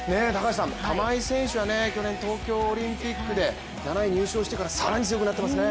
玉井選手は去年、東京オリンピックで７位入賞してから更に強くなっていますね。